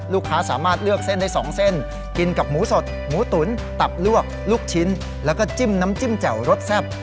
ลูกค้าสามารถเลือกเส้นได้๒เส้นกินกับหมูสดหมูตุ๋นตับลวกลูกชิ้นแล้วก็จิ้มน้ำจิ้มแจ่วรสแซ่บ